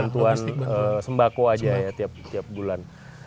bantuan sembako aja ya tiap bulan